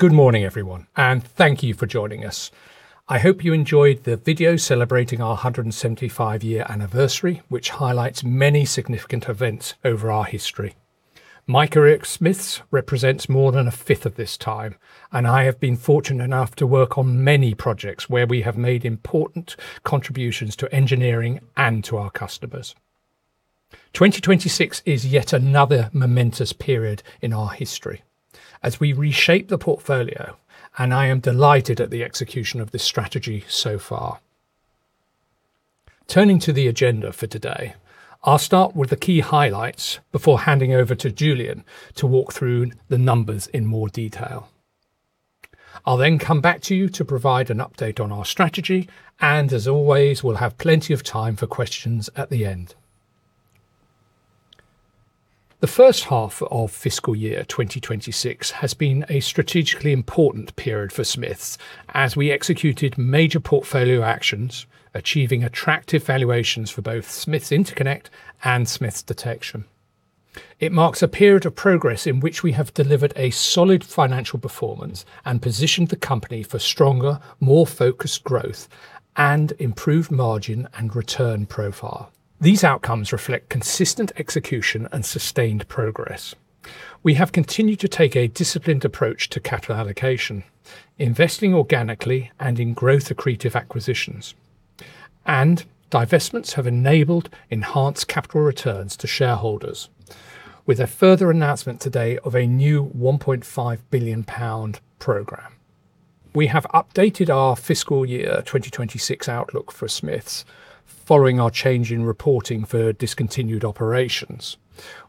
Good morning, everyone, and thank you for joining us. I hope you enjoyed the video celebrating our 175-year anniversary, which highlights many significant events over our history. My career at Smiths represents more than a fifth of this time, and I have been fortunate enough to work on many projects where we have made important contributions to engineering and to our customers. 2026 is yet another momentous period in our history as we reshape the portfolio, and I am delighted at the execution of this strategy so far. Turning to the agenda for today, I'll start with the key highlights before handing over to Julian to walk through the numbers in more detail. I'll then come back to you to provide an update on our strategy, and as always, we'll have plenty of time for questions at the end. The first half of fiscal year 2026 has been a strategically important period for Smiths as we executed major portfolio actions, achieving attractive valuations for both Smiths Interconnect and Smiths Detection. It marks a period of progress in which we have delivered a solid financial performance and positioned the company for stronger, more focused growth and improved margin and return profile. These outcomes reflect consistent execution and sustained progress. We have continued to take a disciplined approach to capital allocation, investing organically and in growth accretive acquisitions. Divestments have enabled enhanced capital returns to shareholders with a further announcement today of a new 1.5 billion pound program. We have updated our fiscal year 2026 outlook for Smiths following our change in reporting for discontinued operations.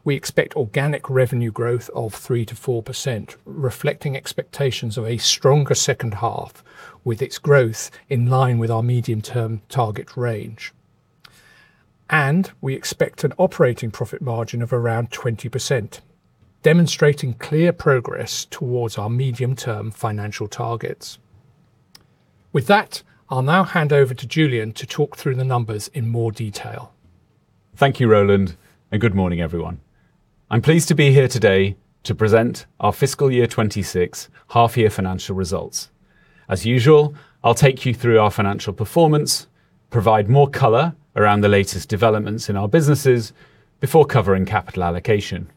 We expect organic revenue growth of 3%-4%, reflecting expectations of a stronger second half with its growth in line with our medium-term target range. We expect an operating profit margin of around 20%, demonstrating clear progress towards our medium-term financial targets. With that, I'll now hand over to Julian to talk through the numbers in more detail. Thank you, Roland, and good morning, everyone. I'm pleased to be here today to present our fiscal year 2026 half-year financial results. As usual, I'll take you through our financial performance, provide more color around the latest developments in our businesses before covering capital allocation.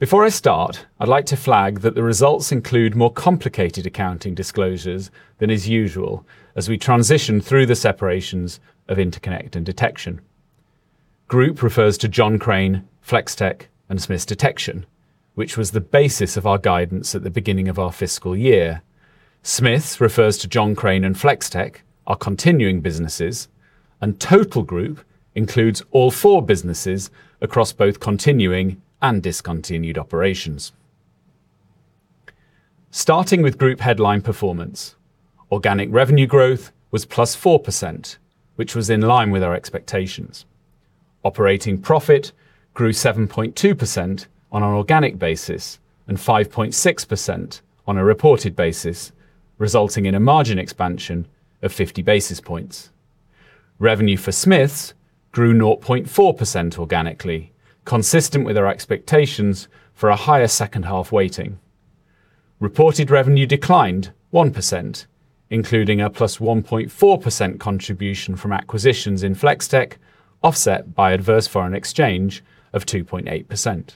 Before I start, I'd like to flag that the results include more complicated accounting disclosures than is usual as we transition through the separations of Smiths Interconnect and Smiths Detection. Group refers to John Crane, Flex-Tek and Smiths Detection, which was the basis of our guidance at the beginning of our fiscal year. Smiths refers to John Crane and Flex-Tek, our continuing businesses, and total group includes all four businesses across both continuing and discontinued operations. Starting with group headline performance, organic revenue growth was +4%, which was in line with our expectations. Operating profit grew 7.2% on an organic basis and 5.6% on a reported basis, resulting in a margin expansion of 50 basis points. Revenue for Smiths grew zero point four percent organically, consistent with our expectations for a higher second half weighting. Reported revenue declined 1%, including a +1.4% contribution from acquisitions in Flex-Tek, offset by adverse foreign exchange of 2.8%.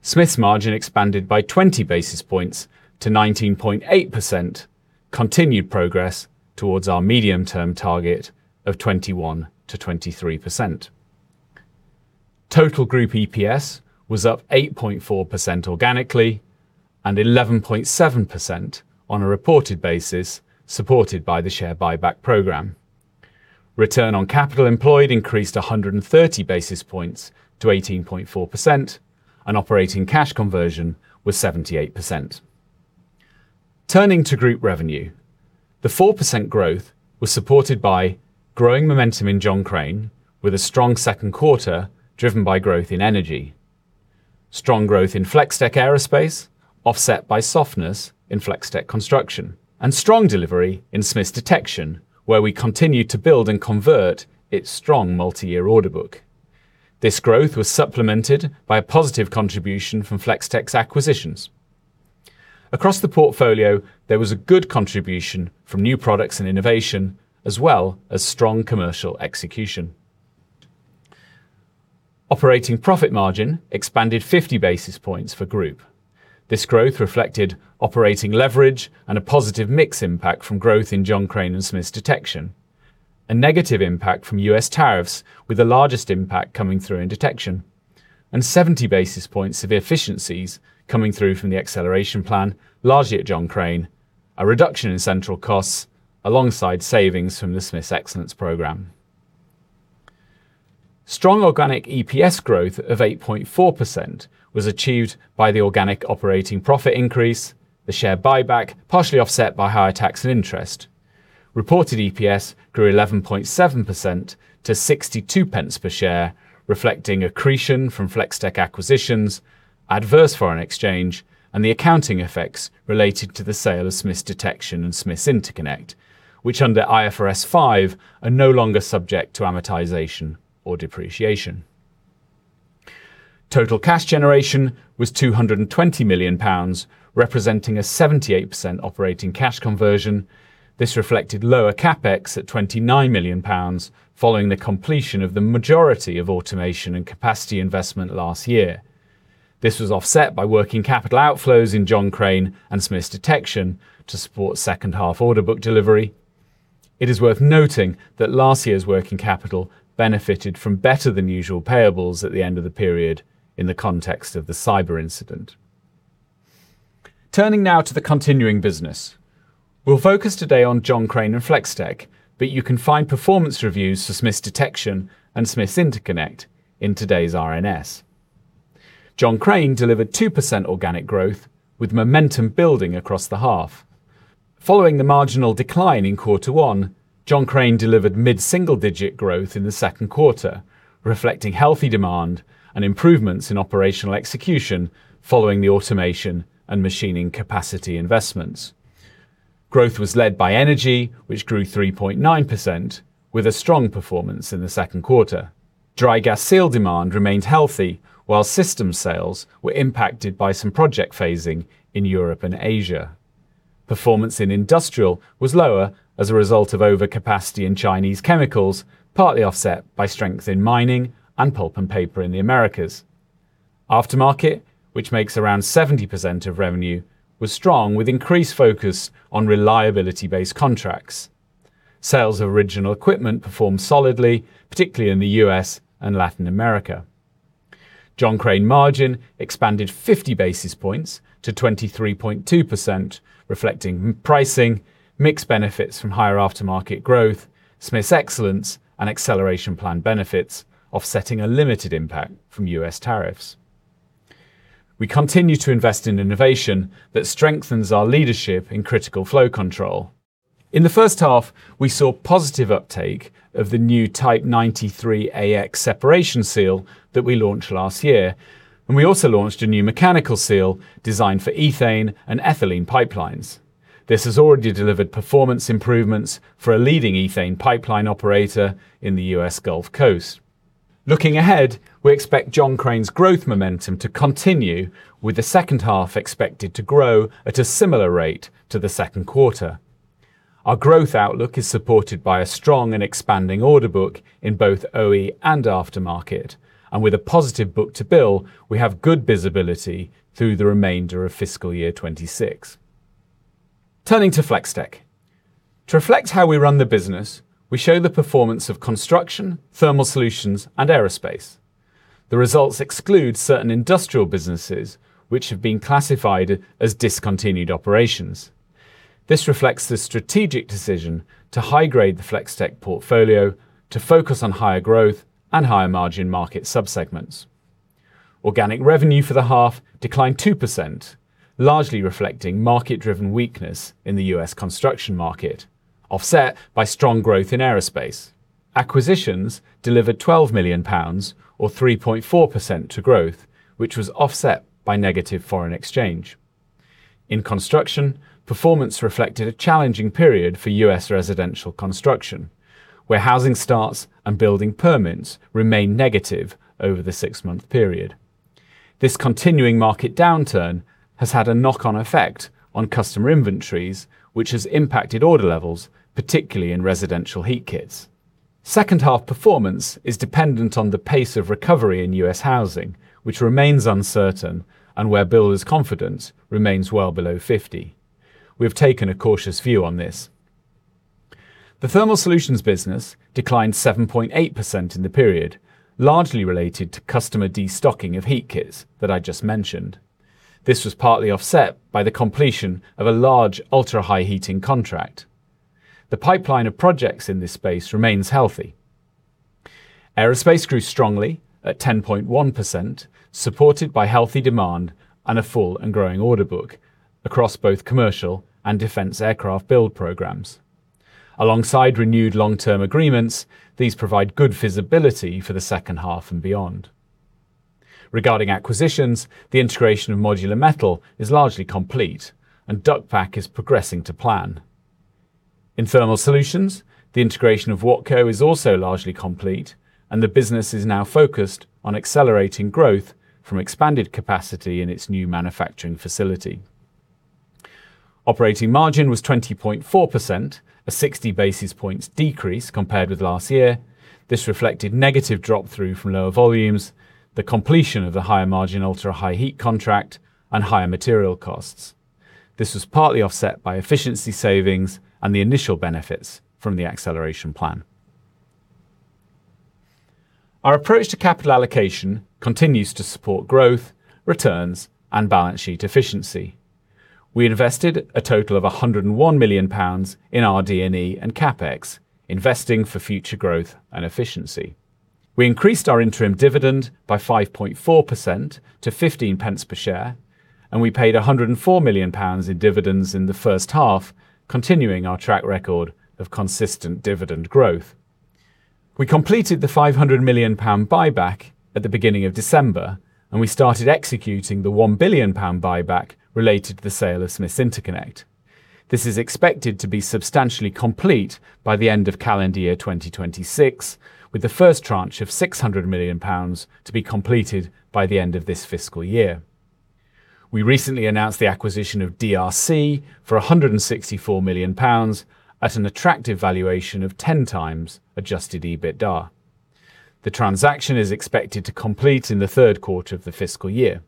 Smiths margin expanded by 20 basis points to 19.8%. Continued progress towards our medium-term target of 21%-23%. Total group EPS was up 8.4% organically and 11.7% on a reported basis, supported by the share buyback program. Return on capital employed increased 130 basis points to 18.4%. Operating cash conversion was 78%. Turning to Group revenue, the 4% growth was supported by growing momentum in John Crane, with a strong second quarter driven by growth in energy, strong growth in Flex-Tek Aerospace, offset by softness in Flex-Tek Construction, and strong delivery in Smiths Detection, where we continued to build and convert its strong multi-year order book. This growth was supplemented by a positive contribution from Flex-Tek's acquisitions. Across the portfolio, there was a good contribution from new products and innovation as well as strong commercial execution. Operating profit margin expanded 50 basis points for Group. This growth reflected operating leverage and a positive mix impact from growth in John Crane and Smiths Detection, a negative impact from U.S. tariffs, with the largest impact coming through in detection and 70 basis points of efficiencies coming through from the Acceleration Plan, largely at John Crane, a reduction in central costs alongside savings from the Smiths Excellence System. Strong organic EPS growth of 8.4% was achieved by the organic operating profit increase, the share buyback partially offset by higher tax and interest. Reported EPS grew 11.7% to 0.62 per share, reflecting accretion from Flex-Tek acquisitions, adverse foreign exchange and the accounting effects related to the sale of Smiths Detection and Smiths Interconnect, which under IFRS 5 are no longer subject to amortization or depreciation. Total cash generation was 220 million pounds, representing a 78% operating cash conversion. This reflected lower CapEx at 29 million pounds following the completion of the majority of automation and capacity investment last year. This was offset by working capital outflows in John Crane and Smiths Detection to support second half order book delivery. It is worth noting that last year's working capital benefited from better than usual payables at the end of the period in the context of the cyber incident. Turning now to the continuing business. We'll focus today on John Crane and Flex-Tek, but you can find performance reviews for Smiths Detection and Smiths Interconnect in today's RNS. John Crane delivered 2% organic growth with momentum building across the half. Following the marginal decline in quarter one, John Crane delivered mid-single digit growth in the second quarter, reflecting healthy demand and improvements in operational execution following the automation and machining capacity investments. Growth was led by energy, which grew 3.9% with a strong performance in the second quarter. Dry Gas Seal demand remained healthy, while system sales were impacted by some project phasing in Europe and Asia. Performance in industrial was lower as a result of overcapacity in Chinese chemicals, partly offset by strength in mining and pulp and paper in the Americas. Aftermarket, which makes around 70% of revenue, was strong with increased focus on reliability-based contracts. Sales of original equipment performed solidly, particularly in the U.S. and Latin America. John Crane margin expanded 50 basis points to 23.2%, reflecting pricing, mix benefits from higher aftermarket growth, Smiths Excellence and Acceleration Plan benefits offsetting a limited impact from U.S. tariffs. We continue to invest in innovation that strengthens our leadership in critical flow control. In the first half, we saw positive uptake of the new Type 93AX separation seal that we launched last year, and we also launched a new mechanical seal designed for ethane and ethylene pipelines. This has already delivered performance improvements for a leading ethane pipeline operator in the U.S. Gulf Coast. Looking ahead, we expect John Crane's growth momentum to continue with the second half expected to grow at a similar rate to the second quarter. Our growth outlook is supported by a strong and expanding order book in both OE and aftermarket. With a positive Book-to-Bill, we have good visibility through the remainder of fiscal year 2026. Turning to Flex-Tek. To reflect how we run the business, we show the performance of construction, thermal solutions, and aerospace. The results exclude certain industrial businesses which have been classified as discontinued operations. This reflects the strategic decision to high-grade the Flex-Tek portfolio to focus on higher growth and higher margin market subsegments. Organic revenue for the half declined 2%, largely reflecting market-driven weakness in the U.S. construction market, offset by strong growth in aerospace. Acquisitions delivered 12 million pounds or 3.4% to growth, which was offset by negative foreign exchange. In construction, performance reflected a challenging period for U.S. residential construction, where housing starts and building permits remain negative over the six-month period. This continuing market downturn has had a knock-on effect on customer inventories, which has impacted order levels, particularly in residential heat kits. Second half performance is dependent on the pace of recovery in U.S. housing, which remains uncertain and where builders' confidence remains well below 50. We have taken a cautious view on this. The thermal solutions business declined 7.8% in the period, largely related to customer destocking of heat kits that I just mentioned. This was partly offset by the completion of a large ultra-high heating contract. The pipeline of projects in this space remains healthy. Aerospace grew strongly at 10.1%, supported by healthy demand and a full and growing order book across both commercial and defense aircraft build programs. Alongside renewed long-term agreements, these provide good visibility for the second half and beyond. Regarding acquisitions, the integration of Modular Metal Fabricators is largely complete and Duc-Pac Corporation is progressing to plan. In thermal solutions, the integration of Wattco is also largely complete, and the business is now focused on accelerating growth from expanded capacity in its new manufacturing facility. Operating margin was 20.4%, a 60 basis points decrease compared with last year. This reflected negative drop through from lower volumes, the completion of the higher margin Ultra High Heat contract and higher material costs. This was partly offset by efficiency savings and the initial benefits from the Acceleration Plan. Our approach to capital allocation continues to support growth, returns, and balance sheet efficiency. We invested a total of 101 million pounds in RD&E and CapEx, investing for future growth and efficiency. We increased our interim dividend by 5.4% to 0.15 per share, and we paid 104 million pounds in dividends in the first half, continuing our track record of consistent dividend growth. We completed the 500 million pound buyback at the beginning of December, and we started executing the 1 billion pound buyback related to the sale of Smiths Interconnect. This is expected to be substantially complete by the end of calendar year 2026, with the first tranche of 600 million pounds to be completed by the end of this fiscal year. We recently announced the acquisition of DRC for 164 million pounds at an attractive valuation of 10x Adjusted EBITDA. The transaction is expected to complete in the third quarter of the fiscal year.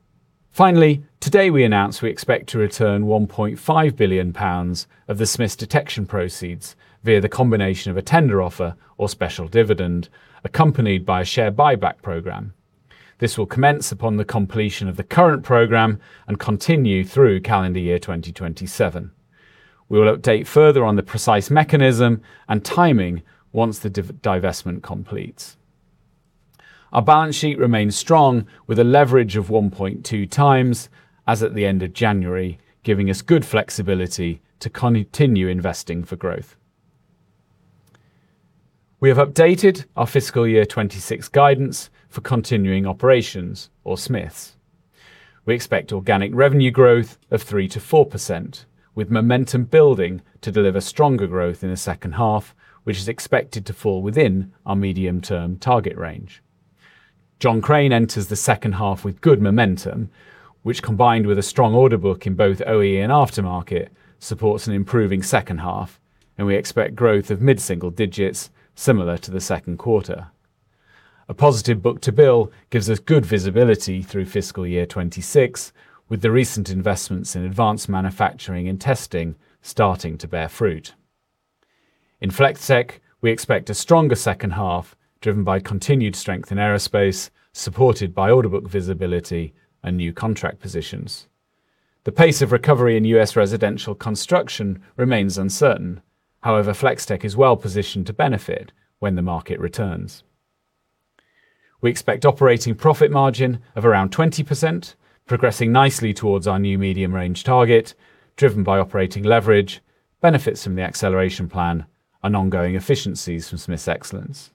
Finally, today, we announced we expect to return 1.5 billion pounds of the Smiths Detection proceeds via the combination of a tender offer or special dividend, accompanied by a share buyback program. This will commence upon the completion of the current program and continue through calendar year 2027. We will update further on the precise mechanism and timing once the divestment completes. Our balance sheet remains strong with a leverage of 1.2x as at the end of January, giving us good flexibility to continue investing for growth. We have updated our fiscal year 2026 guidance for continuing operations of Smiths Group. We expect organic revenue growth of 3%-4%, with momentum building to deliver stronger growth in the second half, which is expected to fall within our medium-term target range. John Crane enters the second half with good momentum, which combined with a strong order book in both OE and aftermarket, supports an improving second half, and we expect growth of mid-single digits similar to the second quarter. A positive Book-to-Bill gives us good visibility through fiscal year 2026, with the recent investments in advanced manufacturing and testing starting to bear fruit. In Flex-Tek, we expect a stronger second half, driven by continued strength in aerospace, supported by order book visibility and new contract positions. The pace of recovery in U.S. residential construction remains uncertain. However, Flex-Tek is well-positioned to benefit when the market returns. We expect operating profit margin of around 20%, progressing nicely towards our new medium-range target, driven by operating leverage, benefits from the Acceleration Plan, and ongoing efficiencies from Smiths Excellence.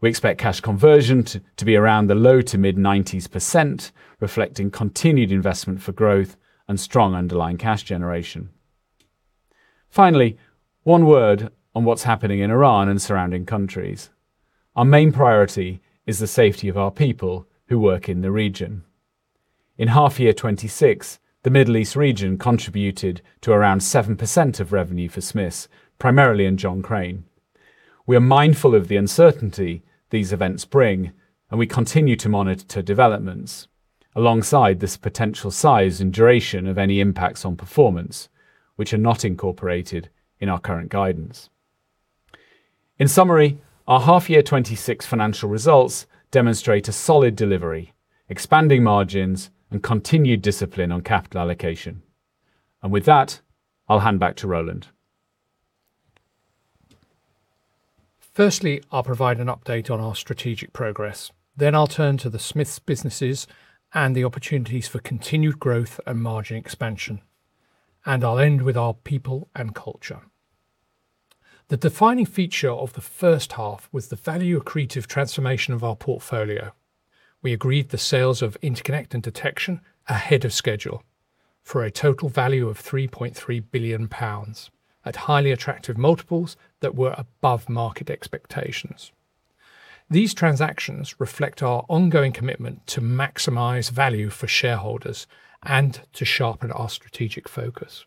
We expect cash conversion to be around the low-to-mid 90s%, reflecting continued investment for growth and strong underlying cash generation. Finally, one word on what's happening in Iran and surrounding countries. Our main priority is the safety of our people who work in the region. In half year 2026, the Middle East region contributed to around 7% of revenue for Smiths, primarily in John Crane. We are mindful of the uncertainty these events bring, and we continue to monitor developments alongside this potential size and duration of any impacts on performance, which are not incorporated in our current guidance. In summary, our half year 2026 financial results demonstrate a solid delivery, expanding margins, and continued discipline on capital allocation. With that, I'll hand back to Roland. Firstly, I'll provide an update on our strategic progress. Then I'll turn to the Smiths businesses and the opportunities for continued growth and margin expansion. I'll end with our people and culture. The defining feature of the first half was the value-accretive transformation of our portfolio. We agreed the sales of Interconnect and Detection ahead of schedule for a total value of 3.3 billion pounds at highly attractive multiples that were above market expectations. These transactions reflect our ongoing commitment to maximize value for shareholders and to sharpen our strategic focus.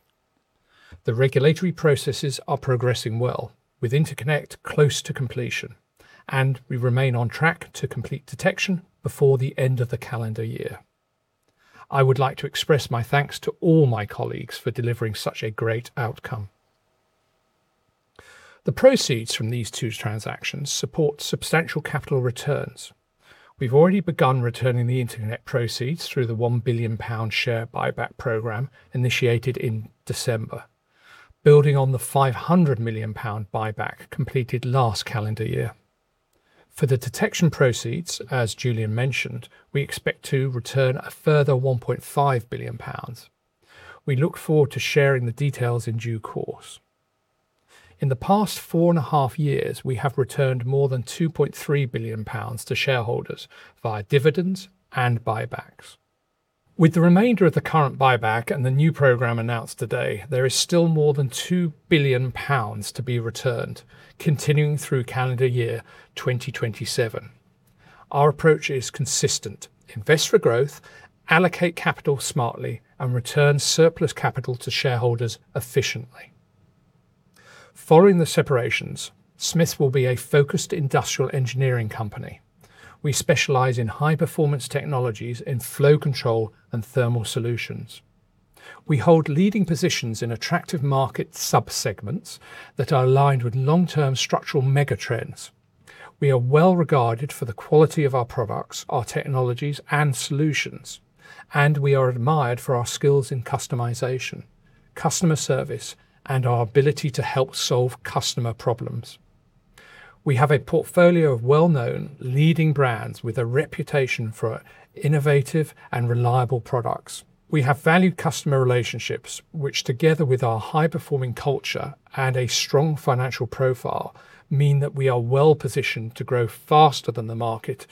The regulatory processes are progressing well, with Interconnect close to completion, and we remain on track to complete Detection before the end of the calendar year. I would like to express my thanks to all my colleagues for delivering such a great outcome. The proceeds from these two transactions support substantial capital returns. We've already begun returning the Interconnect proceeds through the 1 billion pound share buyback program initiated in December, building on the 500 million pound buyback completed last calendar year. For the Detection proceeds, as Julian mentioned, we expect to return a further 1.5 billion pounds. We look forward to sharing the details in due course. In the past four and a half years, we have returned more than 2.3 billion pounds to shareholders via dividends and buybacks. With the remainder of the current buyback and the new program announced today, there is still more than 2 billion pounds to be returned continuing through calendar year 2027. Our approach is consistent. Invest for growth, allocate capital smartly, and return surplus capital to shareholders efficiently. Following the separations, Smiths will be a focused industrial engineering company. We specialize in high-performance technologies in flow control and thermal solutions. We hold leading positions in attractive market subsegments that are aligned with long-term structural mega trends. We are well-regarded for the quality of our products, our technologies and solutions, and we are admired for our skills in customization, customer service, and our ability to help solve customer problems. We have a portfolio of well-known leading brands with a reputation for innovative and reliable products. We have valued customer relationships, which together with our high-performing culture and a strong financial profile, mean that we are well-positioned to grow faster than the market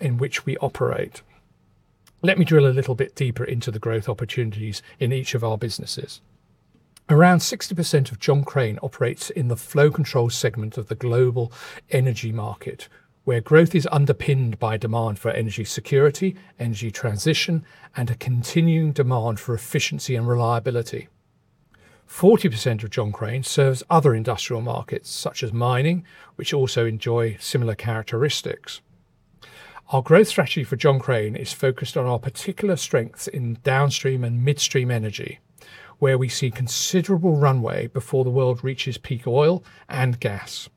in which we operate. Let me drill a little bit deeper into the growth opportunities in each of our businesses. Around 60% of John Crane operates in the flow control segment of the global energy market, where growth is underpinned by demand for energy security, energy transition, and a continuing demand for efficiency and reliability. 40% of John Crane serves other industrial markets, such as mining, which also enjoy similar characteristics. Our growth strategy for John Crane is focused on our particular strengths in downstream and midstream energy, where we see considerable runway before the world reaches peak oil and gas.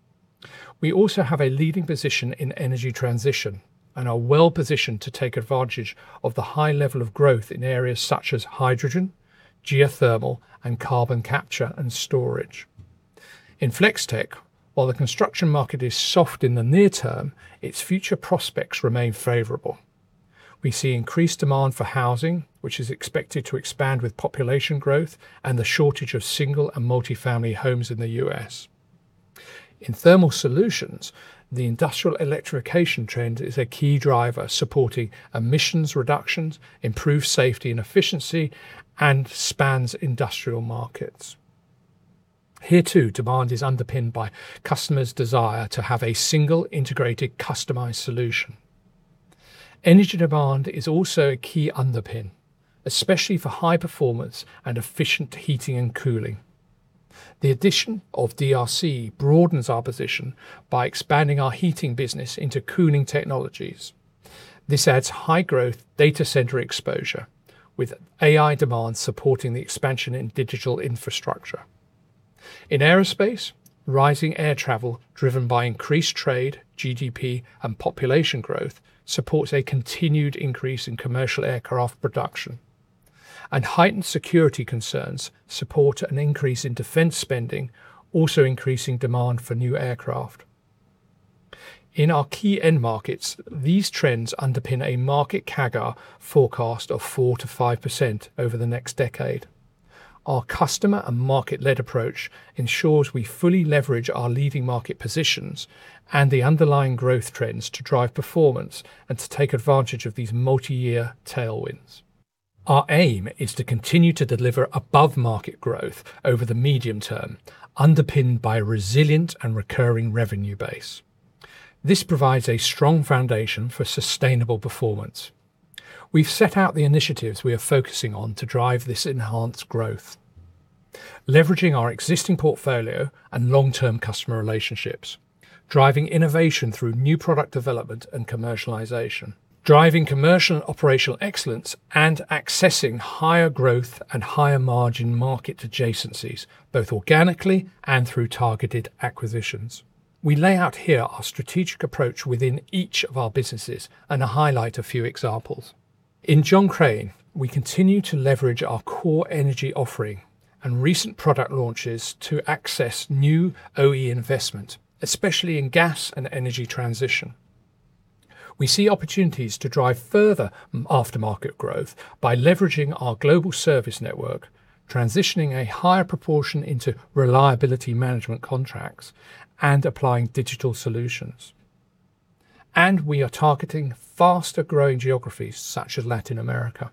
We also have a leading position in energy transition and are well-positioned to take advantage of the high level of growth in areas such as hydrogen, geothermal, and carbon capture and storage. In Flex-Tek, while the construction market is soft in the near term, its future prospects remain favorable. We see increased demand for housing, which is expected to expand with population growth and the shortage of single and multi-family homes in the U.S. In thermal solutions, the industrial electrification trend is a key driver supporting emissions reductions, improved safety and efficiency, and spans industrial markets. Here too, demand is underpinned by customers' desire to have a single integrated customized solution. Energy demand is also a key underpin, especially for high performance and efficient heating and cooling. The addition of DRC broadens our position by expanding our heating business into cooling technologies. This adds high growth data center exposure with AI demand supporting the expansion in digital infrastructure. In aerospace, rising air travel driven by increased trade, GDP, and population growth supports a continued increase in commercial aircraft production. Heightened security concerns support an increase in defense spending, also increasing demand for new aircraft. In our key end markets, these trends underpin a market CAGR forecast of 4%-5% over the next decade. Our customer and market-led approach ensures we fully leverage our leading market positions and the underlying growth trends to drive performance and to take advantage of these multi-year tailwinds. Our aim is to continue to deliver above market growth over the medium term, underpinned by resilient and recurring revenue base. This provides a strong foundation for sustainable performance. We've set out the initiatives we are focusing on to drive this enhanced growth, leveraging our existing portfolio and long-term customer relationships, driving innovation through new product development and commercialization, driving commercial and operational excellence, and accessing higher growth and higher margin market adjacencies, both organically and through targeted acquisitions. We lay out here our strategic approach within each of our businesses and highlight a few examples. In John Crane, we continue to leverage our core energy offering and recent product launches to access new OE investment, especially in gas and energy transition. We see opportunities to drive further aftermarket growth by leveraging our global service network, transitioning a higher proportion into reliability management contracts and applying digital solutions. We are targeting faster-growing geographies such as Latin America.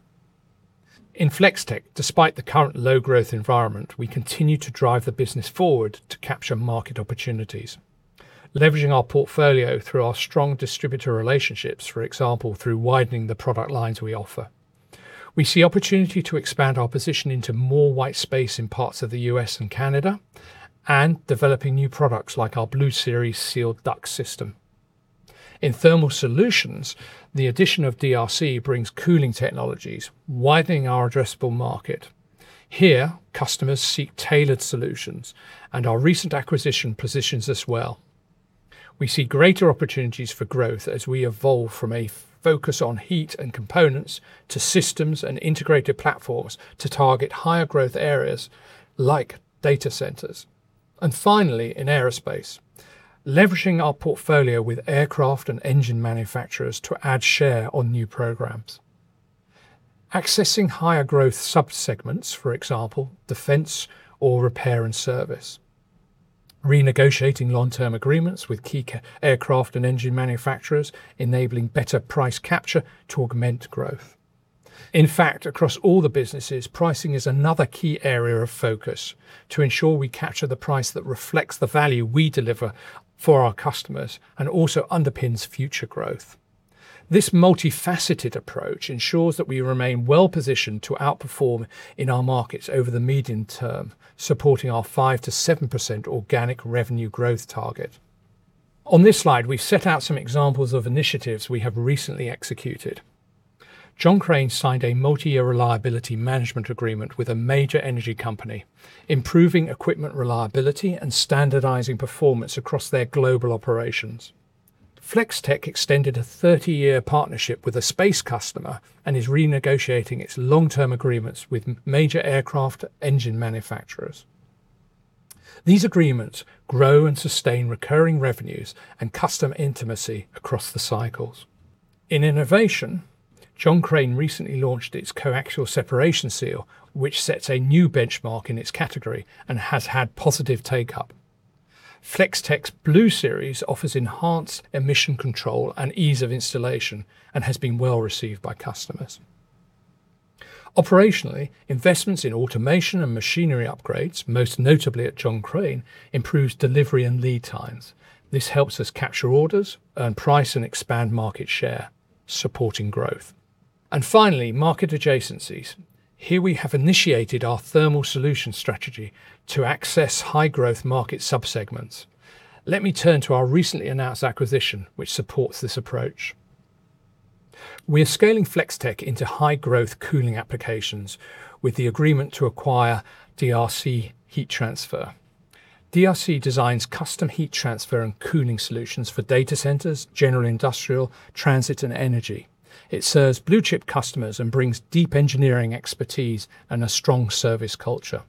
In Flex-Tek, despite the current low growth environment, we continue to drive the business forward to capture market opportunities, leveraging our portfolio through our strong distributor relationships, for example, through widening the product lines we offer. We see opportunity to expand our position into more white space in parts of the U.S. and Canada and developing new products like our Blue Series Sealed Duct system. In thermal solutions, the addition of DRC brings cooling technologies, widening our addressable market. Here, customers seek tailored solutions and our recent acquisition positions as well. We see greater opportunities for growth as we evolve from a focus on heat and components to systems and integrated platforms to target higher growth areas like data centers. Finally, in aerospace, leveraging our portfolio with aircraft and engine manufacturers to add share on new programs, accessing higher growth subsegments, for example, defense or repair and service, renegotiating long-term agreements with key aircraft and engine manufacturers, enabling better price capture to augment growth. In fact, across all the businesses, pricing is another key area of focus to ensure we capture the price that reflects the value we deliver for our customers and also underpins future growth. This multifaceted approach ensures that we remain well-positioned to outperform in our markets over the medium term, supporting our 5%-7% organic revenue growth target. On this slide, we've set out some examples of initiatives we have recently executed. John Crane signed a multi-year reliability management agreement with a major energy company, improving equipment reliability and standardizing performance across their global operations. Flex-Tek extended a 30-year partnership with a space customer and is renegotiating its long-term agreements with major aircraft engine manufacturers. These agreements grow and sustain recurring revenues and customer intimacy across the cycles. In innovation, John Crane recently launched its Coaxial Separation Seal, which sets a new benchmark in its category and has had positive take-up. Flex-Tek's Blue Series offers enhanced emission control and ease of installation and has been well received by customers. Operationally, investments in automation and machinery upgrades, most notably at John Crane, improves delivery and lead times. This helps us capture orders, earn price and expand market share, supporting growth. Finally, market adjacencies. Here we have initiated our thermal solution strategy to access high growth market sub-segments. Let me turn to our recently announced acquisition, which supports this approach. We are scaling Flex-Tek into high growth cooling applications with the agreement to acquire DRC Heat Transfer. DRC designs custom heat transfer and cooling solutions for data centers, general industrial, transit and energy. It serves blue chip customers and brings deep engineering expertise and a strong service culture.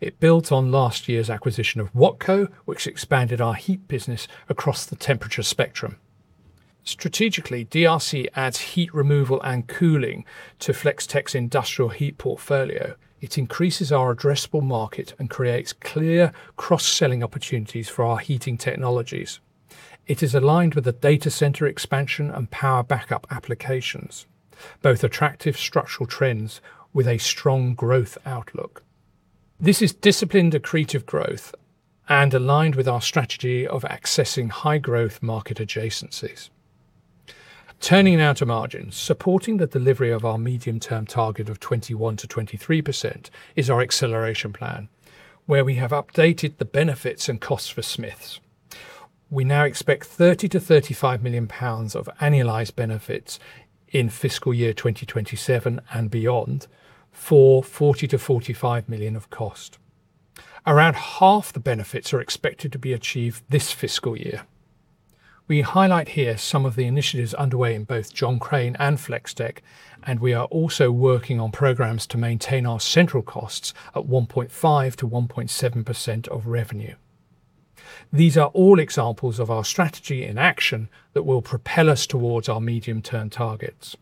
It builds on last year's acquisition of Wattco, which expanded our heat business across the temperature spectrum. Strategically, DRC adds heat removal and cooling to Flex-Tek's industrial heat portfolio. It increases our addressable market and creates clear cross-selling opportunities for our heating technologies. It is aligned with the data center expansion and power backup applications, both attractive structural trends with a strong growth outlook. This is disciplined accretive growth and aligned with our strategy of accessing high growth market adjacencies. Turning now to margins. Supporting the delivery of our medium-term target of 21%-23% is our Acceleration Plan, where we have updated the benefits and costs for Smiths Group. We now expect 30 million-35 million pounds of annualized benefits in fiscal year 2027 and beyond for 40 million-45 million of cost. Around half the benefits are expected to be achieved this fiscal year. We highlight here some of the initiatives underway in both John Crane and Flex-Tek, and we are also working on programs to maintain our central costs at 1.5%-1.7% of revenue. These are all examples of our strategy in action that will propel us towards our medium-term targets.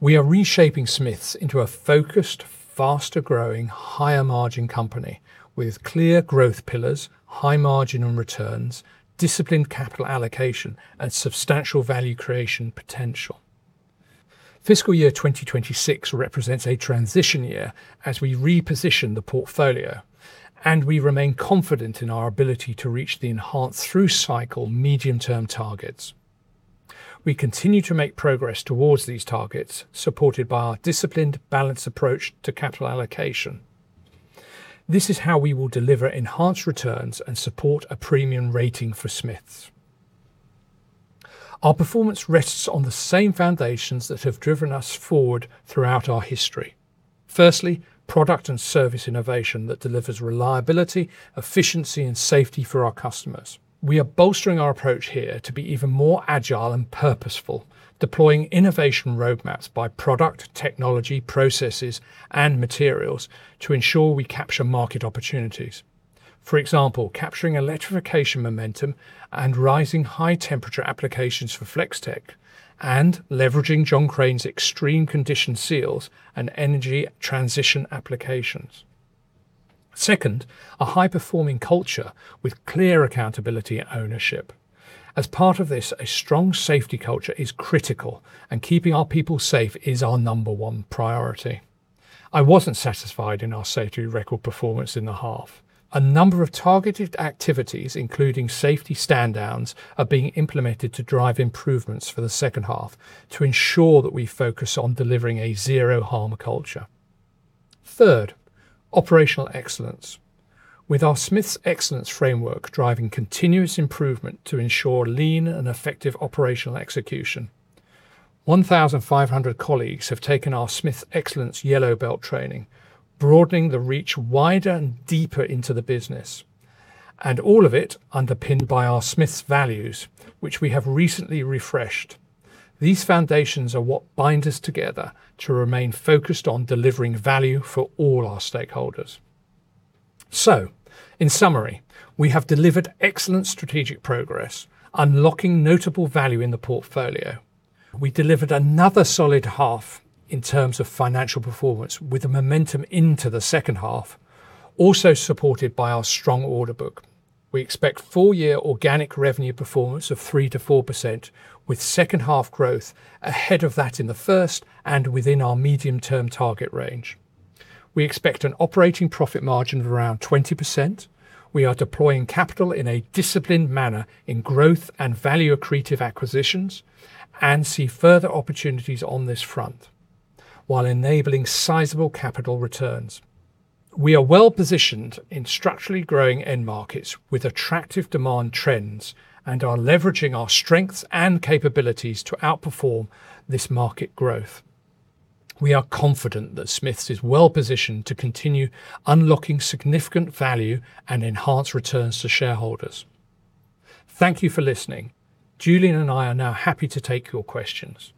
We are reshaping Smiths into a focused, faster growing, higher margin company with clear growth pillars, high margin on returns, disciplined capital allocation and substantial value creation potential. Fiscal year 2026 represents a transition year as we reposition the portfolio, and we remain confident in our ability to reach the enhanced through cycle medium-term targets. We continue to make progress towards these targets, supported by our disciplined balance approach to capital allocation. This is how we will deliver enhanced returns and support a premium rating for Smiths. Our performance rests on the same foundations that have driven us forward throughout our history. Firstly, product and service innovation that delivers reliability, efficiency and safety for our customers. We are bolstering our approach here to be even more agile and purposeful, deploying innovation roadmaps by product, technology, processes and materials to ensure we capture market opportunities. For example, capturing electrification momentum and rising high temperature applications for Flex-Tek and leveraging John Crane's extreme condition seals and energy transition applications. Second, a high-performing culture with clear accountability and ownership. As part of this, a strong safety culture is critical and keeping our people safe is our number one priority. I wasn't satisfied in our safety record performance in the half. A number of targeted activities, including safety stand downs, are being implemented to drive improvements for the second half to ensure that we focus on delivering a zero harm culture. Third, operational excellence. With our Smiths Excellence framework driving continuous improvement to ensure lean and effective operational execution. 1,500 colleagues have taken our Smiths Excellence Yellow Belt training, broadening the reach wider and deeper into the business, and all of it underpinned by our Smiths values, which we have recently refreshed. These foundations are what bind us together to remain focused on delivering value for all our stakeholders. In summary, we have delivered excellent strategic progress, unlocking notable value in the portfolio. We delivered another solid half in terms of financial performance with a momentum into the second half, also supported by our strong order book. We expect full year organic revenue performance of 3%-4% with second half growth ahead of that in the first and within our medium-term target range. We expect an operating profit margin of around 20%. We are deploying capital in a disciplined manner in growth and value accretive acquisitions and see further opportunities on this front while enabling sizable capital returns. We are well-positioned in structurally growing end markets with attractive demand trends, and are leveraging our strengths and capabilities to outperform this market growth. We are confident that Smiths is well positioned to continue unlocking significant value and enhance returns to shareholders. Thank you for listening. Julian and I are now happy to take your questions.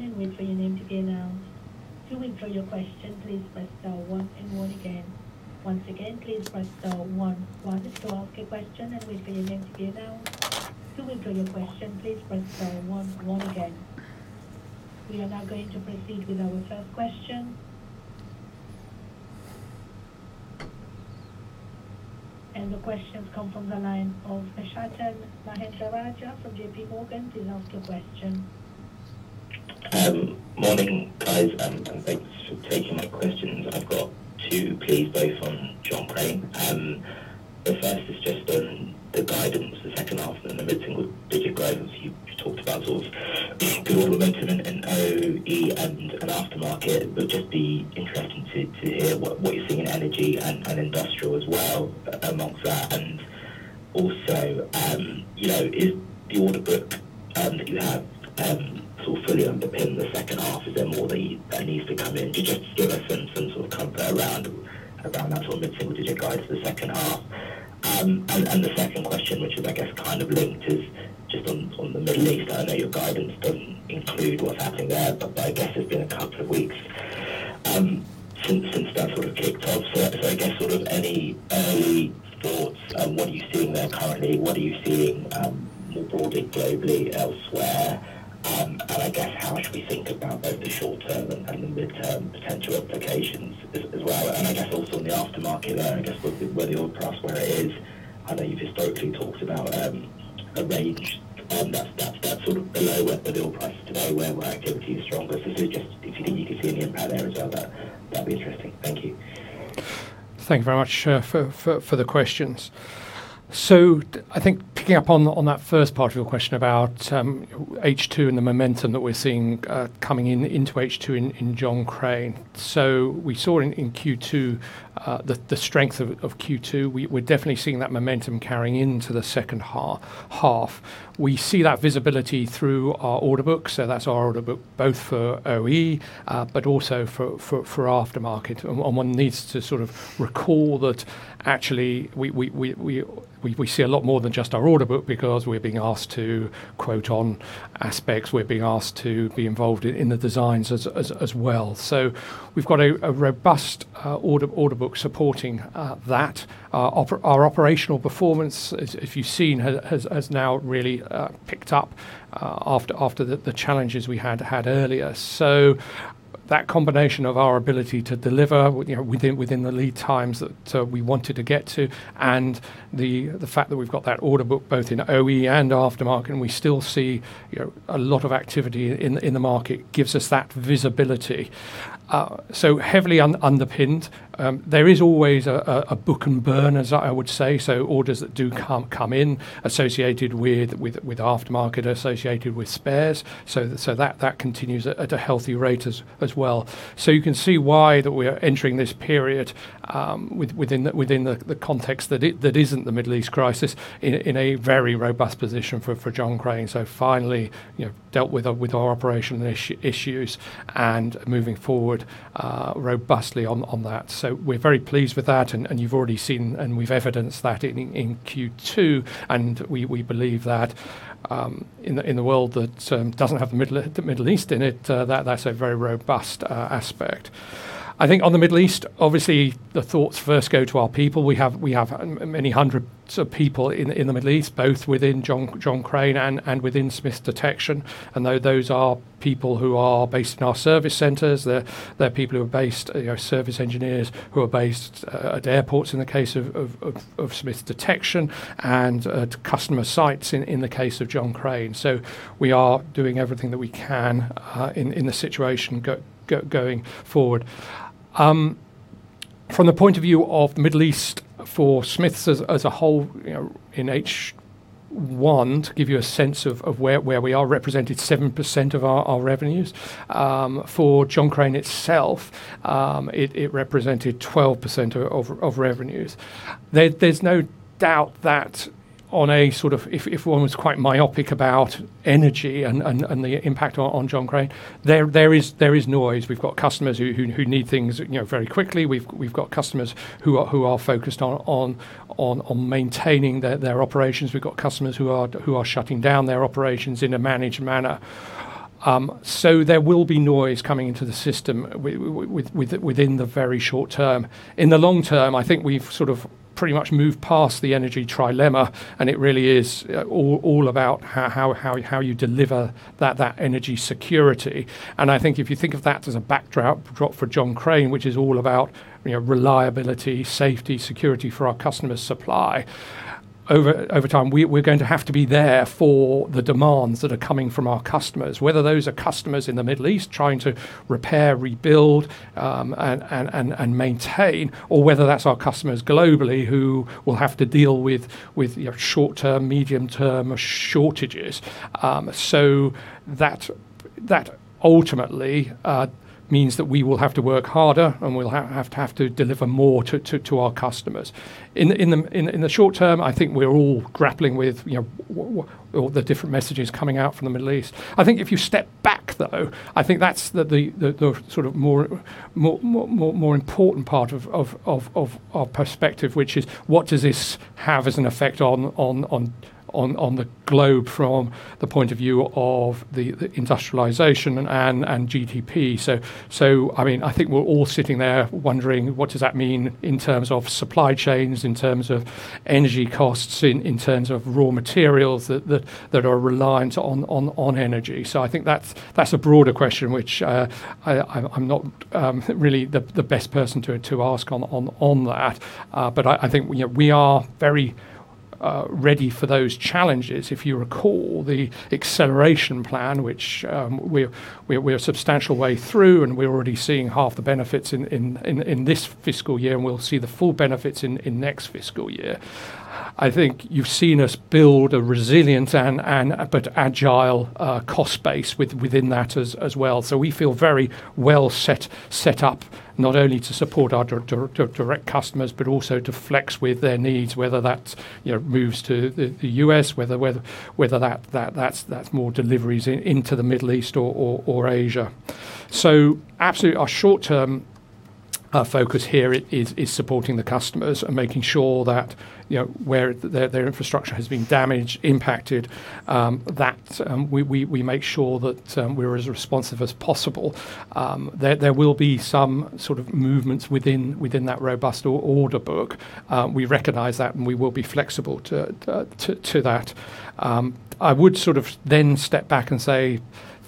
Press star one and one on your telephone and wait for your name to be announced. To withdraw your question, please press star one and one again. Once again, please press star one one to ask a question and wait for your name to be announced. To withdraw your question, please press star one one again. We are now going to proceed with our first question. The question comes from the line of Lushanthan Mahendrarajah from JPMorgan. Please ask your question. Morning, guys, and thanks for taking my questions. I've got two, please, both on John Crane. The first is just on the guidance, the second half and the mid-single digit growth you talked about. Sort of good momentum in OE and aftermarket, but just be interesting to hear what you're seeing in energy and industrial as well amongst that. And also, you know, is the order book that you have sort of fully underpinned the second half? Is there more that that needs to come in? Just give us some sort of comfort around that sort of mid-single digit guide for the second half. The second question, which is I guess kind of linked, is just on the Middle East. I know your guidance doesn't include what's happening there, but I guess it's been a couple of weeks since that sort of kicked off. I guess sort of any early thoughts on what are you seeing there currently? What are you seeing more broadly, globally elsewhere? I guess how should we think about both the short term and the mid term potential implications as well? I guess also on the aftermarket there and I guess with the oil price where it is, I know you've historically talked about a range that's sort of below where the oil price is today, where activity is stronger. Just if you think you can see any impact there as well, that'd be interesting. Thank you. Thank you very much for the questions. I think picking up on that first part of your question about H2 and the momentum that we're seeing coming into H2 in John Crane. We saw in Q2 the strength of Q2. We're definitely seeing that momentum carrying into the second half. We see that visibility through our order book, so that's our order book both for OE but also for aftermarket. One needs to sort of recall that actually we see a lot more than just our order book because we're being asked to quote on aspects, we're being asked to be involved in the designs as well. We've got a robust order book supporting that. Our operational performance, as if you've seen, has now really picked up after the challenges we had had earlier. That combination of our ability to deliver, you know, within the lead times that we wanted to get to and the fact that we've got that order book both in OE and aftermarket, and we still see, you know, a lot of activity in the market, gives us that visibility. Heavily underpinned. There is always a book and burn, as I would say. Orders that do come in associated with aftermarket, associated with spares, so that continues at a healthy rate as well. You can see why that we are entering this period within the context that is in the Middle East crisis in a very robust position for John Crane. Finally, dealt with our operational issues and moving forward robustly on that. We're very pleased with that and you've already seen and we've evidenced that in Q2. We believe that in the world that doesn't have the Middle East in it, that's a very robust aspect. I think on the Middle East, obviously the thoughts first go to our people. We have many hundreds of people in the Middle East, both within John Crane and within Smiths Detection. Though those are people who are based in our service centers, they're people who are based, you know, service engineers who are based at airports in the case of Smiths Detection and at customer sites in the case of John Crane. We are doing everything that we can in the situation going forward. From the point of view of Middle East for Smiths as a whole, you know, in H1, to give you a sense of where we are represented 7% of our revenues. For John Crane itself, it represented 12% of revenues. There's no doubt that on a sort of if one was quite myopic about energy and the impact on John Crane, there is noise. We've got customers who need things, you know, very quickly. We've got customers who are focused on maintaining their operations. We've got customers who are shutting down their operations in a managed manner. There will be noise coming into the system within the very short term. In the long term, I think we've sort of pretty much moved past the energy trilemma, and it really is all about how you deliver that energy security. I think if you think of that as a backdrop for John Crane, which is all about, you know, reliability, safety, security for our customers' supply, over time, we're going to have to be there for the demands that are coming from our customers. Whether those are customers in the Middle East trying to repair, rebuild, and maintain or whether that's our customers globally who will have to deal with, you know, short-term, medium-term shortages. That ultimately means that we will have to work harder and we'll have to deliver more to our customers. In the short term, I think we're all grappling with, you know, what the different messages coming out from the Middle East. I think if you step back though, I think that's the sort of more important part of perspective, which is what does this have as an effect on the globe from the point of view of the industrialization and GDP. I mean, I think we're all sitting there wondering what does that mean in terms of supply chains, in terms of energy costs, in terms of raw materials that are reliant on energy. I think that's a broader question, which I am not really the best person to ask on that. But I think we are very ready for those challenges. If you recall the Acceleration Plan, which we're a substantial way through, and we're already seeing half the benefits in this fiscal year, and we'll see the full benefits in next fiscal year. I think you've seen us build a resilient and but agile cost base within that as well. We feel very well set up not only to support our direct customers, but also to flex with their needs, whether that's, you know, moves to the U.S., whether that's more deliveries into the Middle East or Asia. Absolutely our short-term focus here is supporting the customers and making sure that, you know, where their infrastructure has been damaged, impacted, that we make sure that we're as responsive as possible. There will be some sort of movements within that robust order book. We recognize that, and we will be flexible to that. I would sort of then step back and say,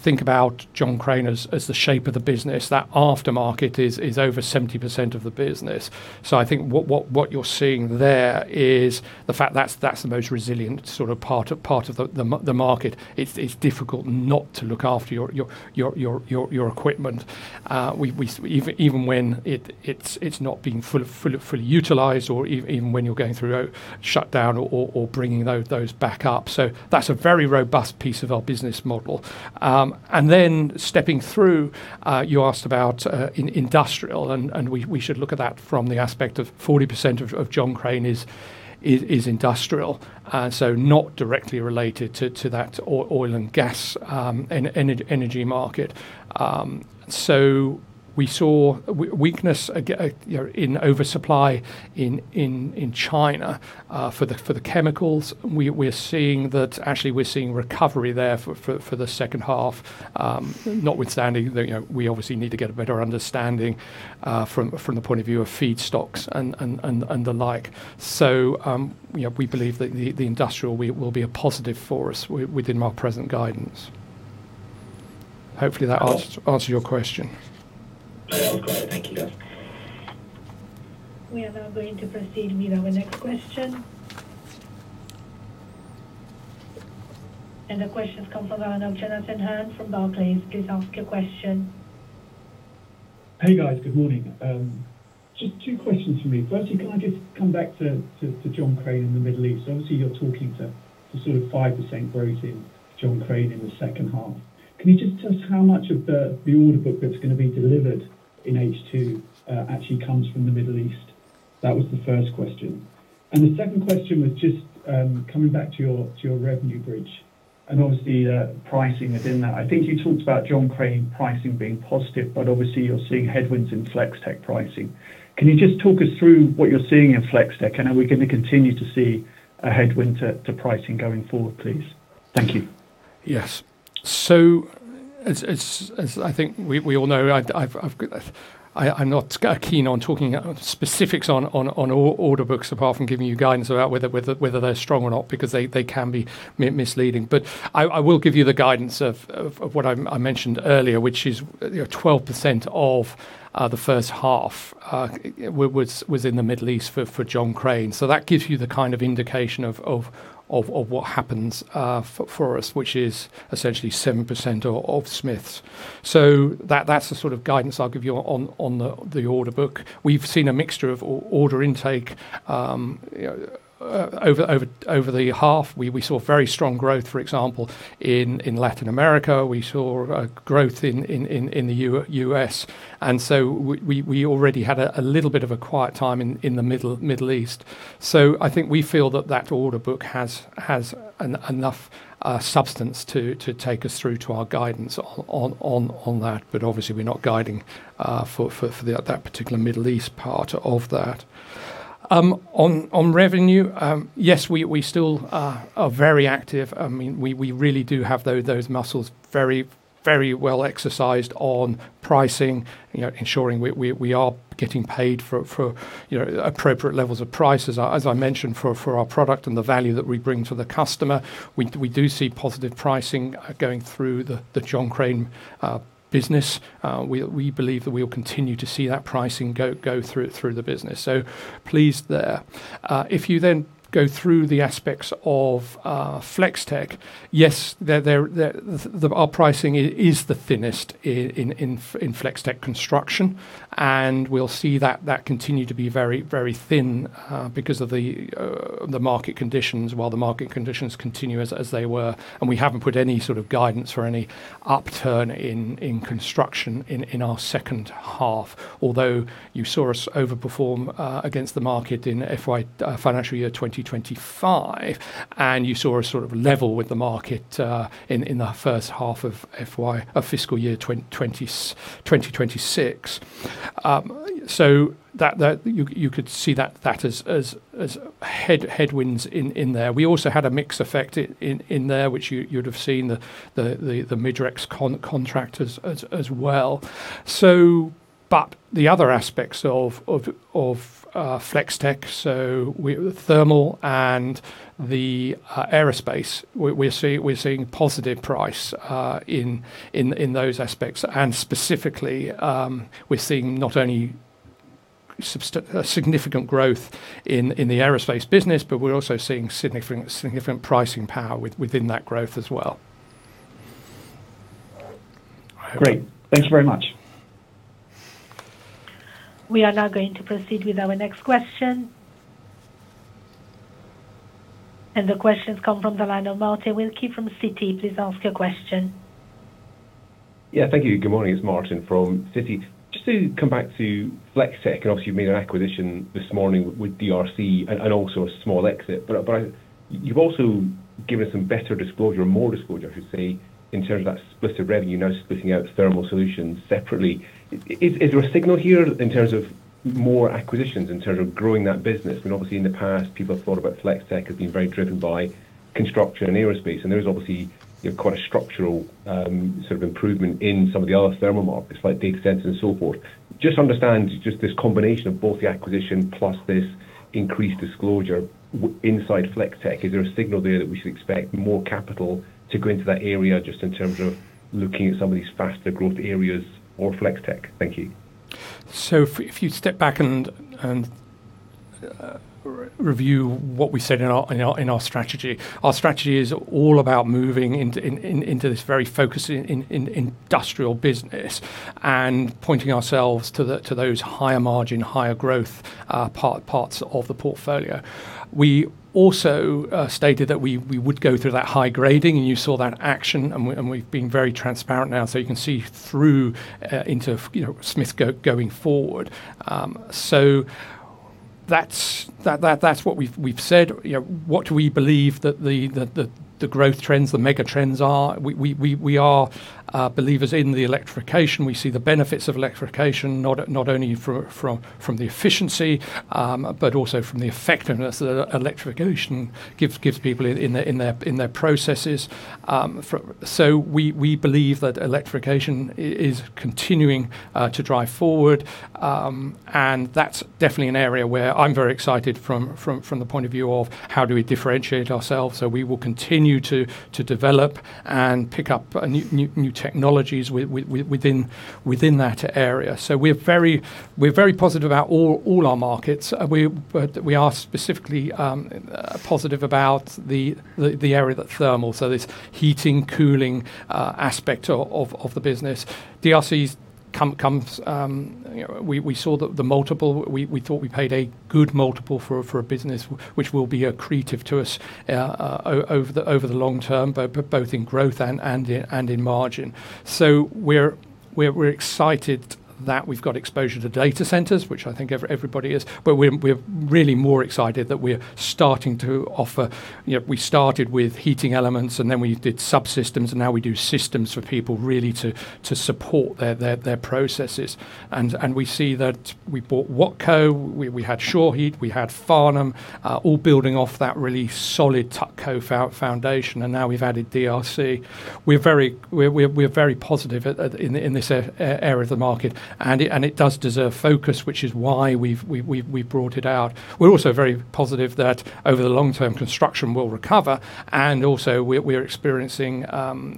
think about John Crane as the shape of the business. That aftermarket is over 70% of the business. I think what you're seeing there is the fact that's the most resilient sort of part of the market. It's difficult not to look after your equipment. We even when it's not been fully utilized or even when you're going through a shutdown or bringing those back up. That's a very robust piece of our business model. Stepping through, you asked about in industrial and we should look at that from the aspect of 40% of John Crane is industrial. Not directly related to that oil and gas energy market. We saw weakness, you know, in oversupply in China for the chemicals. We're seeing that actually we're seeing recovery there for the second half. Notwithstanding that, you know, we obviously need to get a better understanding from the point of view of feedstocks and the like. We believe that the industrial will be a positive for us within our present guidance. Hopefully that answers your question. That was great. Thank you, guys. We are now going to proceed with our next question. The question comes from our Jonathan Hurn from Barclays. Please ask your question. Hey, guys. Good morning. Just two questions from me. Firstly, can I just come back to John Crane in the Middle East? Obviously you're talking to sort of 5% growth in John Crane in the second half. Can you just tell us how much of the order book that's gonna be delivered in H2 actually comes from the Middle East? That was the first question. The second question was just coming back to your revenue bridge and obviously the pricing within that. I think you talked about John Crane pricing being positive, but obviously you're seeing headwinds in Flex-Tek pricing. Can you just talk us through what you're seeing in Flex-Tek, and are we gonna continue to see a headwind to pricing going forward, please? Thank you. Yes. As I think we all know, I'm not keen on talking specifics on order books apart from giving you guidance about whether they're strong or not because they can be misleading. I will give you the guidance of what I mentioned earlier, which is, you know, 12% of the first half was in the Middle East for John Crane. That gives you the kind of indication of what happens for us, which is essentially 7% of Smiths. That's the sort of guidance I'll give you on the order book. We've seen a mixture of order intake over the half. We saw very strong growth, for example, in Latin America. We saw growth in the U.S. We already had a little bit of a quiet time in the Middle East. I think we feel that order book has enough substance to take us through to our guidance on that. Obviously we're not guiding for that particular Middle East part of that. On revenue, yes, we still are very active. I mean, we really do have those muscles very well exercised on pricing, you know, ensuring we are getting paid for appropriate levels of prices. As I mentioned, for our product and the value that we bring to the customer, we do see positive pricing going through the John Crane business. We believe that we'll continue to see that pricing go through the business. Pleased there. If you go through the aspects of Flex-Tek, yes, their pricing is the thinnest in Flex-Tek construction, and we'll see that continue to be very thin because of the market conditions while the market conditions continue as they were. We haven't put any sort of guidance or any upturn in construction in our second half, although you saw us overperform against the market in FY, financial year 2025, and you saw us sort of level with the market in the first half of FY, fiscal year 2026. You could see that as headwinds in there. We also had a mix effect in there, which you'd have seen the Midrex contract as well. The other aspects of Flex-Tek, thermal and the aerospace, we're seeing positive pricing in those aspects. Specifically, we're seeing not only significant growth in the aerospace business, but we're also seeing significant pricing power within that growth as well. Great. Thank you very much. We are now going to proceed with our next question. The question's come from the line of Martin Wilkie from Citi. Please ask your question. Yeah. Thank you. Good morning. It's Martin from Citi. Just to come back to Flex-Tek, and obviously you've made an acquisition this morning with DRC and also a small exit. But you've also given some better disclosure or more disclosure, I should say, in terms of that split of revenue, now splitting out thermal solutions separately. Is there a signal here in terms of more acquisitions, in terms of growing that business? When obviously in the past, people have thought about Flex-Tek as being very driven by construction and aerospace. There is obviously, you know, quite a structural sort of improvement in some of the other thermal markets like data centers and so forth. Just understand this combination of both the acquisition plus this increased disclosure inside Flex-Tek. Is there a signal there that we should expect more capital to go into that area just in terms of looking at some of these faster growth areas or Flex-Tek? Thank you. If you step back and re-review what we said in our strategy, our strategy is all about moving into this very focused industrial business and pointing ourselves to those higher margin, higher growth parts of the portfolio. We also stated that we would go through that high grading, and you saw that action and we've been very transparent now. You can see through into the future, you know, Smiths going forward. That's what we've said. You know, what we believe that the growth trends, the mega trends are. We are believers in the electrification. We see the benefits of electrification not only from the efficiency, but also from the effectiveness that electrification gives people in their processes. We believe that electrification is continuing to drive forward. That's definitely an area where I'm very excited from the point of view of how do we differentiate ourselves. We will continue to develop and pick up new technologies within that area. We're very positive about all our markets. We are specifically positive about the area that's thermal, so this heating, cooling aspect of the business. DRC comes. We saw the multiple. We thought we paid a good multiple for a business which will be accretive to us, over the long term, both in growth and in margin. We're excited that we've got exposure to data centers, which I think everybody is, but we're really more excited that we're starting to offer. You know, we started with heating elements, and then we did subsystems, and now we do systems for people really to support their processes. We see that we bought Wattco, we had SureHeat, we had Farnam, all building off that really solid Tutco foundation, and now we've added DRC. We're very positive in this area of the market. It does deserve focus, which is why we've brought it out. We're also very positive that over the long term, construction will recover. We're experiencing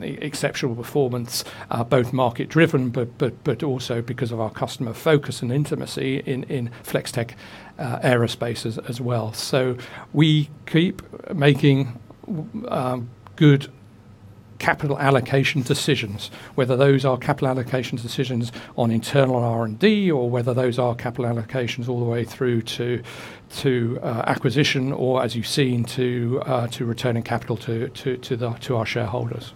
exceptional performance, both market driven, but also because of our customer focus and intimacy in Flex-Tek, aerospace as well. We keep making good capital allocation decisions, whether those are capital allocation decisions on internal R&D or whether those are capital allocation all the way through to acquisition or, as you've seen, to returning capital to our shareholders.